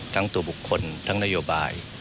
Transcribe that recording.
ทั้งตัวบุคคลทั้งนโยบาย